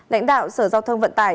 lãnh đạo sở giao thông vận tải